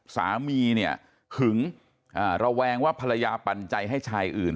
สามีเนี่ยหึงระแวงว่าภรรยาปันใจให้ชายอื่น